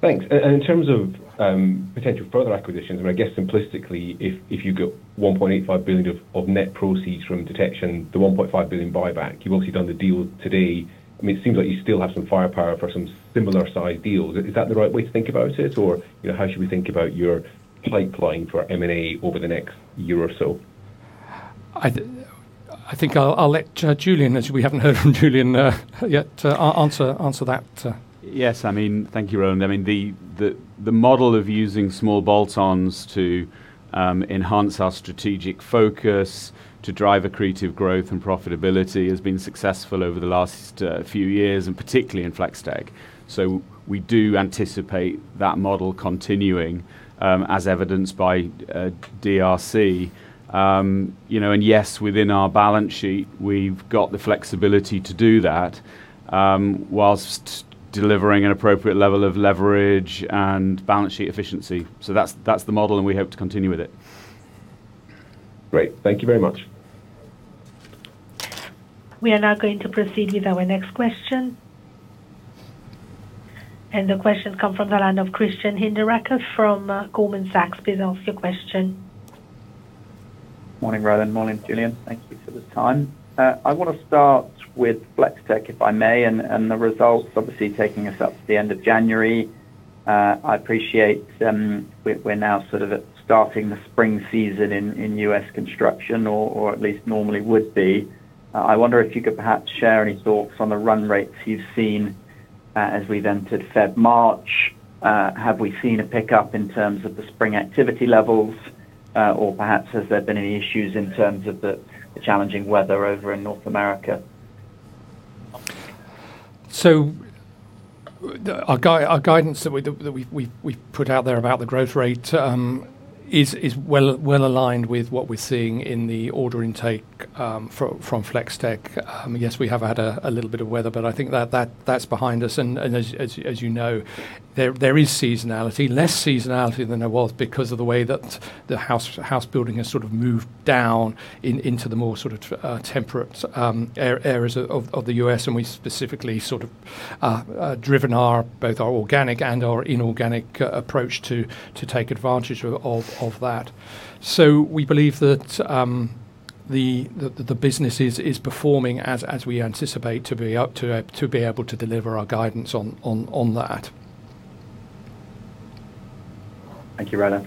Thanks. In terms of potential further acquisitions, I mean, I guess simplistically if you got 1.85 billion of net proceeds from detection, the 1.5 billion buyback, you've obviously done the deal today. I mean, it seems like you still have some firepower for some similar size deals. Is that the right way to think about it? Or, you know, how should we think about your pipeline for M&A over the next year or so? I think I'll let Julian, as we haven't heard from Julian yet, to answer that. Yes, I mean, thank you, Roland. I mean, the model of using small bolt-ons to enhance our strategic focus to drive accretive growth and profitability has been successful over the last few years, and particularly in Flex-Tek. We do anticipate that model continuing, as evidenced by DRC. You know, and yes, within our balance sheet, we've got the flexibility to do that, whilst delivering an appropriate level of leverage and balance sheet efficiency. That's the model, and we hope to continue with it. Great. Thank you very much. We are now going to proceed with our next question. The question's come from the line of Christian Hinderaker from Goldman Sachs. Please ask your question. Morning, Roland. Morning, Julian. Thank you for the time. I wanna start with Flex-Tek, if I may, and the results obviously taking us up to the end of January. I appreciate we're now sort of at starting the spring season in U.S. construction or at least normally would be. I wonder if you could perhaps share any thoughts on the run rates you've seen. As we head into February, March, have we seen a pickup in terms of the spring activity levels, or perhaps has there been any issues in terms of the challenging weather over in North America? Our guidance that we've put out there about the growth rate is well aligned with what we're seeing in the order intake from Flex-Tek. Yes, we have had a little bit of weather, but I think that's behind us. As you know, there is seasonality, less seasonality than there was because of the way that the house building has sort of moved down into the more sort of temperate areas of the U.S., and we specifically sort of driven our both our organic and our inorganic approach to take advantage of that. We believe that the business is performing as we anticipate to be able to deliver our guidance on that. Thank you, Roland.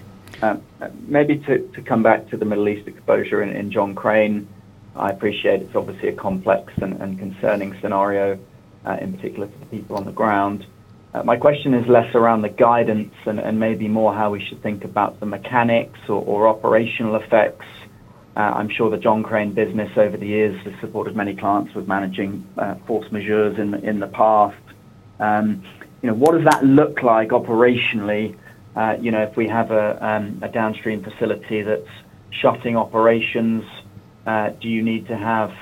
Maybe to come back to the Middle East exposure in John Crane. I appreciate it's obviously a complex and concerning scenario, in particular for the people on the ground. My question is less around the guidance and maybe more how we should think about the mechanics or operational effects. I'm sure the John Crane business over the years has supported many clients with managing force majeure in the past. You know, what does that look like operationally, you know, if we have a downstream facility that's shutting operations, do you need to have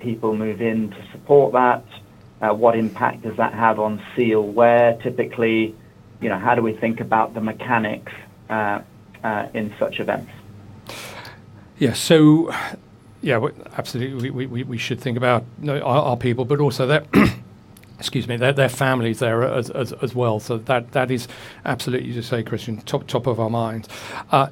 people move in to support that? What impact does that have on seal wear typically? You know, how do we think about the mechanics in such events? Yeah, absolutely. We should think about, you know, our people, but also their, excuse me, their families there as well. That is absolutely, as you say, Christian, top of our minds.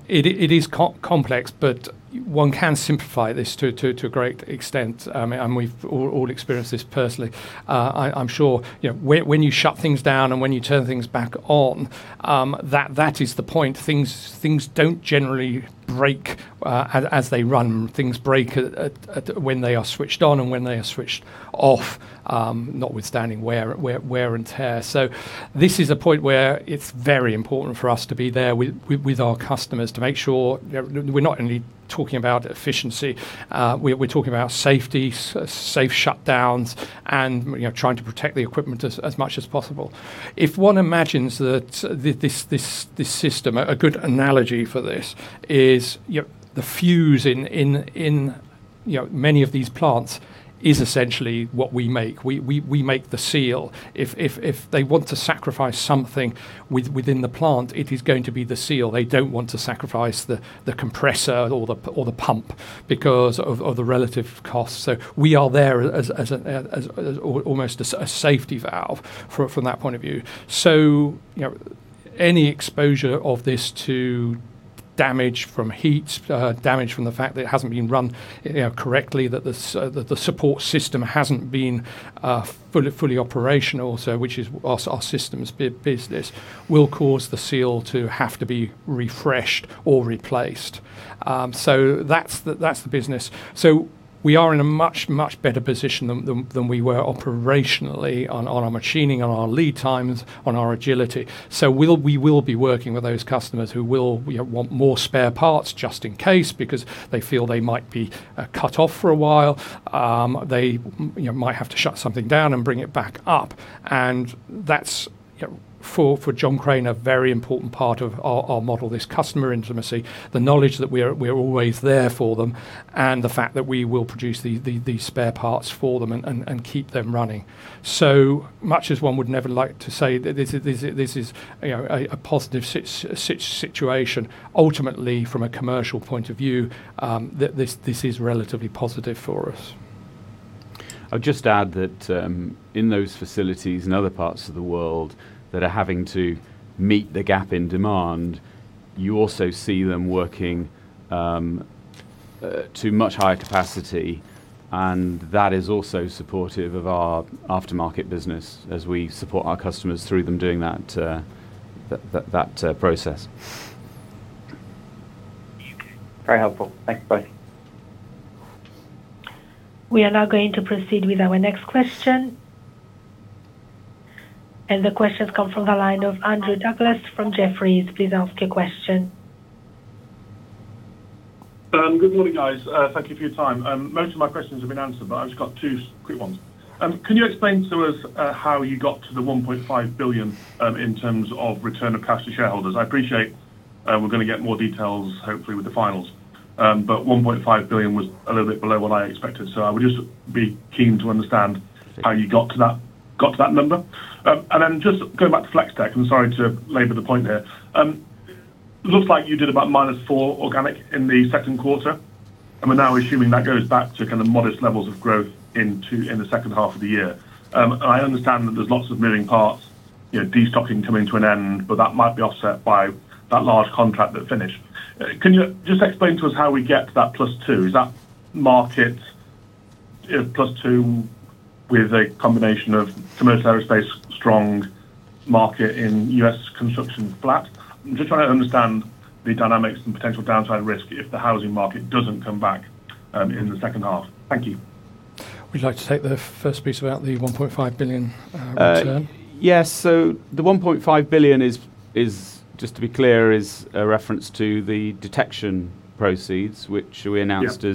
It is complex, but one can simplify this to a great extent. I mean, we've all experienced this personally. I'm sure you know when you shut things down and when you turn things back on, that is the point. Things don't generally break as they run. Things break when they are switched on and when they are switched off, notwithstanding wear and tear. This is a point where it's very important for us to be there with our customers to make sure we're not only talking about efficiency, we're talking about safety, safe shutdowns and, you know, trying to protect the equipment as much as possible. If one imagines that this system, a good analogy for this is you know the fuse in many of these plants is essentially what we make. We make the seal. If they want to sacrifice something within the plant, it is going to be the seal. They don't want to sacrifice the compressor or the pump because of the relative cost. We are there as almost a safety valve from that point of view. So, you know, any exposure of this to damage from heat, damage from the fact that it hasn't been run, you know, correctly, that the support system hasn't been fully operational. Our systems business will cause the seal to have to be refreshed or replaced. That's the business. We are in a much better position than we were operationally on our machining, on our lead times, on our agility. We will be working with those customers who will, you know, want more spare parts just in case because they feel they might be cut off for a while. They, you know, might have to shut something down and bring it back up. That's, you know, for John Crane, a very important part of our model, this customer intimacy, the knowledge that we are always there for them, and the fact that we will produce the spare parts for them and keep them running. Much as one would never like to say this is, you know, a positive situation. Ultimately, from a commercial point of view, this is relatively positive for us. I'll just add that, in those facilities in other parts of the world that are having to meet the gap in demand, you also see them working to much higher capacity, and that is also supportive of our aftermarket business as we support our customers through them doing that process. Very helpful. Thanks, guys. We are now going to proceed with our next question. The question comes from the line of Andrew Douglas from Jefferies. Please ask your question. Good morning, guys. Thank you for your time. Most of my questions have been answered, but I've just got two quick ones. Can you explain to us how you got to the 1.5 billion in terms of return of cash to shareholders? I appreciate we're gonna get more details hopefully with the finals. 1.5 billion was a little bit below what I expected. I would just be keen to understand how you got to that number. And then just going back to Flex-Tek, I'm sorry to labor the point here. Looks like you did about -4% organic in the second quarter, and we're now assuming that goes back to kind of modest levels of growth into the second half of the year. I understand that there's lots of moving parts, you know, destocking coming to an end, but that might be offset by that large contract that finished. Can you just explain to us how we get to that +2%? Is that market, you know, +2% with a combination of commercial aerospace strong market in U.S. construction flat. I'm just trying to understand the dynamics and potential downside risk if the housing market doesn't come back in the second half. Thank you. Would you like to take the first piece about the 1.5 billion return? Yes. The 1.5 billion is, just to be clear, a reference to the detection proceeds, which we announced. Yeah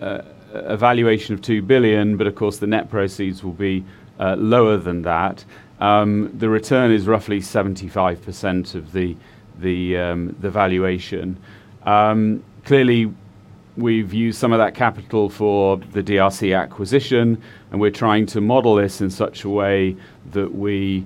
As a valuation of 2 billion, but of course, the net proceeds will be lower than that. The return is roughly 75% of the valuation. Clearly, we've used some of that capital for the DRC acquisition, and we're trying to model this in such a way that we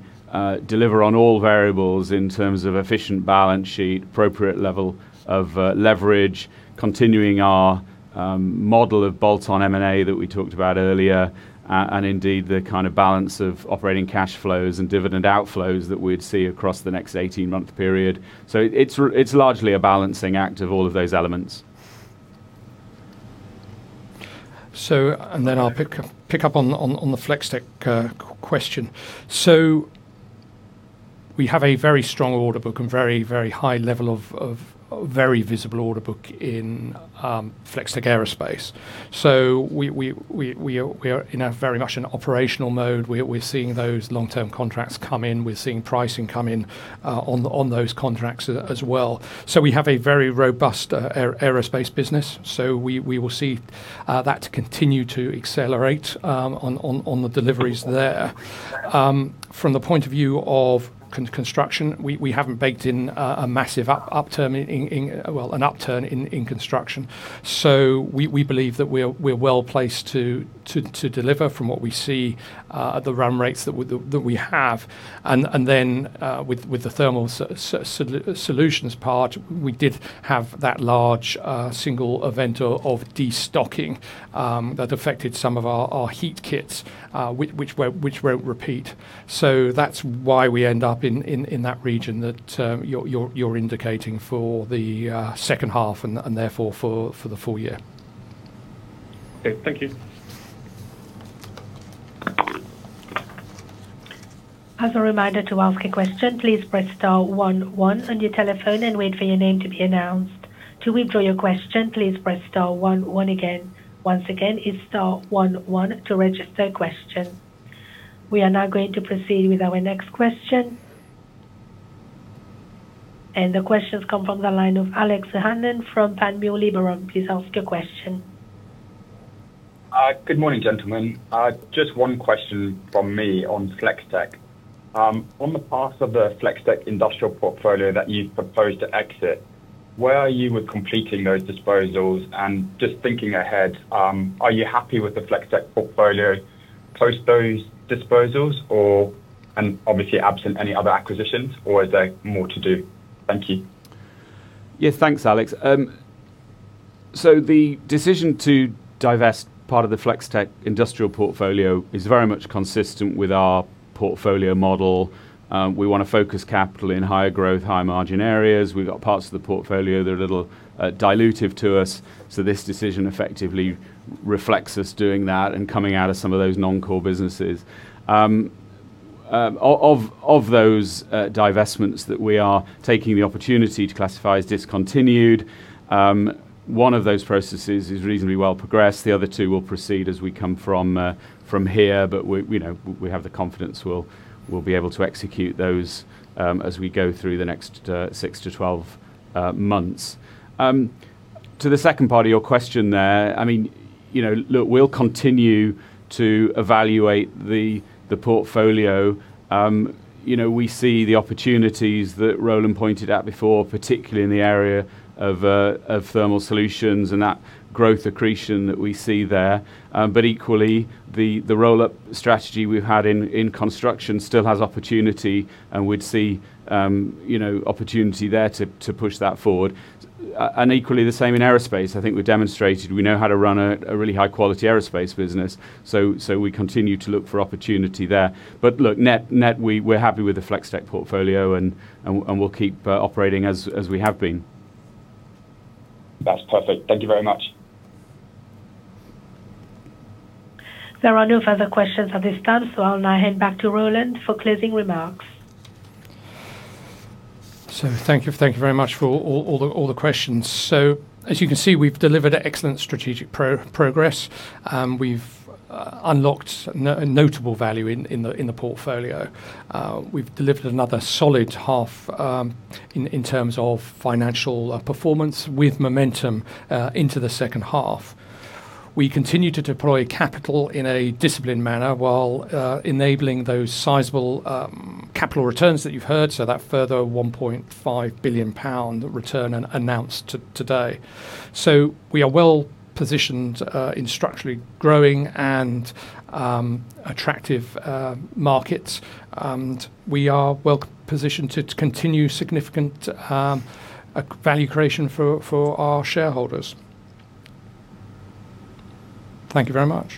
deliver on all variables in terms of efficient balance sheet, appropriate level of leverage, continuing our model of bolt-on M&A that we talked about earlier, and indeed, the kind of balance of operating cash flows and dividend outflows that we'd see across the next 18-month period. It's largely a balancing act of all of those elements. I'll pick up on the Flex-Tek question. We have a very strong order book and very high level of very visible order book in Flex-Tek Aerospace. We are in a very much an operational mode. We're seeing those long-term contracts come in. We're seeing pricing come in on those contracts as well. We have a very robust aerospace business, so we will see that to continue to accelerate on the deliveries there. From the point of view of construction, we haven't baked in a massive upturn in construction. We believe that we're well placed to deliver from what we see at the run rates that we have. With the thermal solutions part, we did have that large single event of destocking that affected some of our heat kits, which won't repeat. That's why we end up in that region that you're indicating for the second half and therefore for the full year. Okay, thank you. As a reminder, to ask a question, please press star one one on your telephone and wait for your name to be announced. To withdraw your question, please press star one one again. Once again, it's star one one to register a question. We are now going to proceed with our next question. The questions come from the line of Alex O'Hanlon from Panmure Liberum. Please ask your question. Good morning, gentlemen. Just one question from me on Flex-Tek. On the path of the Flex-Tek industrial portfolio that you've proposed to exit, where are you with completing those disposals? Just thinking ahead, are you happy with the Flex-Tek portfolio post those disposals? Obviously absent any other acquisitions, or is there more to do? Thank you. Yeah, thanks, Alex. So the decision to divest part of the Flex-Tek industrial portfolio is very much consistent with our portfolio model. We wanna focus capital in higher growth, higher margin areas. We've got parts of the portfolio that are a little dilutive to us, so this decision effectively reflects us doing that and coming out of some of those non-core businesses. Of those divestments that we are taking the opportunity to classify as discontinued, one of those processes is reasonably well progressed. The other two will proceed as we come from here. But we know we have the confidence we'll be able to execute those as we go through the next six to 12 months. To the second part of your question there, I mean, you know, look, we'll continue to evaluate the portfolio. You know, we see the opportunities that Roland pointed out before, particularly in the area of thermal solutions and that growth accretion that we see there. But equally, the roll-up strategy we've had in construction still has opportunity, and we'd see, you know, opportunity there to push that forward. Equally the same in aerospace. I think we've demonstrated we know how to run a really high quality aerospace business, so we continue to look for opportunity there. Look, net, we're happy with the Flex-Tek portfolio and we'll keep operating as we have been. That's perfect. Thank you very much. There are no further questions at this time, so I'll now hand back to Roland for closing remarks. Thank you very much for all the questions. As you can see, we've delivered excellent strategic progress. We've unlocked notable value in the portfolio. We've delivered another solid half in terms of financial performance with momentum into the second half. We continue to deploy capital in a disciplined manner while enabling those sizable capital returns that you've heard, so that further 1.5 billion pound return announced today. We are well-positioned in structurally growing and attractive markets. We are well-positioned to continue significant value creation for our shareholders. Thank you very much.